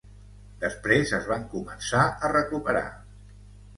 Després es van començar a recuperar.